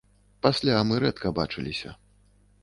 Пасля мы рэдка бачыліся.